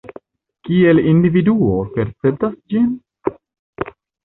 Kiel individuo perceptas ĝin?